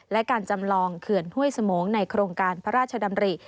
และการจำลองเขื่อนห้วยสมงในโครงการพระราชดำริ